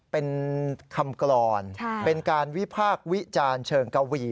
เป็นคำกรรณเป็นการวิภาควิจารณ์เชิงเกาหวี